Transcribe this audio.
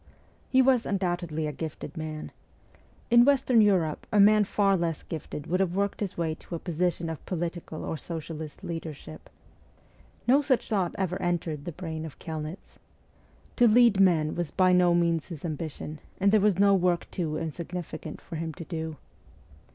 He was undoubtedly a gifted man. In Western Europe a man far less gifted would have worked his way to a position of political or socialist leadership. No such thought ever entered the brain of ST. PETERSBUEG 93 Kelnitz. To lead men was by no means his ambition, and there was no work too insignificant for him to do.